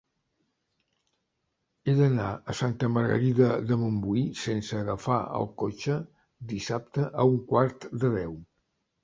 He d'anar a Santa Margarida de Montbui sense agafar el cotxe dissabte a un quart de deu.